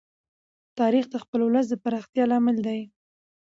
تاریخ د خپل ولس د پراختیا لامل دی.